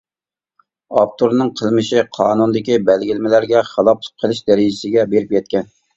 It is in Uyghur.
ئاپتورنىڭ قىلمىشى قانۇندىكى بەلگىلىمىلەرگە خىلاپلىق قىلىش دەرىجىسىگە بېرىپ يەتكەن.